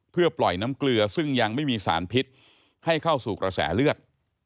เพื่อปล่อยน้ำเกลือซึ่งยังไม่มีสารพิษให้เข้าสู่กระแสเลือด